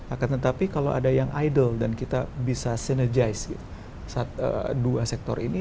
akan tetapi kalau ada yang idle dan kita bisa sinergize dua sektor ini